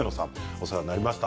お世話になりました。